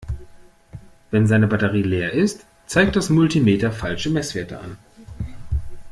Wenn seine Batterie leer ist, zeigt das Multimeter falsche Messwerte an.